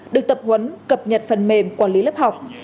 được tập huấn cập nhật phần mềm quản lý lớp học